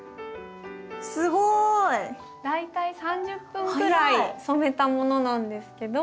すごい！大体３０分くらい染めたものなんですけど。